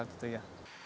alat itu ya